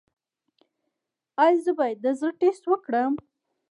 ایا زه باید د زړه ټسټ وکړم؟